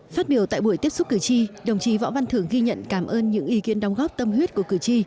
phát biểu tại buổi tiếp xúc cử tri đồng chí võ văn thưởng ghi nhận cảm ơn những ý kiến đóng góp tâm huyết của cử tri